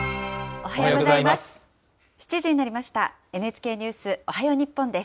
おはようございます。